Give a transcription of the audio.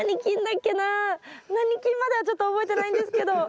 何菌まではちょっと覚えてないんですけど。